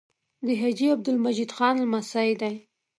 د حاجي عبدالمجید خان لمسی دی.